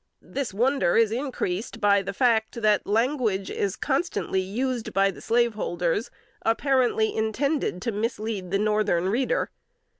This wonder is increased by the fact, that language is constantly used by slaveholders apparently intended to mislead the Northern reader.